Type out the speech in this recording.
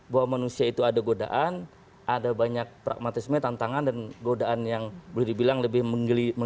bahwa manusia itu ada godaan ada banyak pragmatisme tantangan dan godaan yang boleh dibilang lebih menggelisah